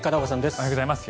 おはようございます。